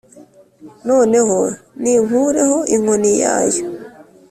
noneho ninkureho inkoni yayo,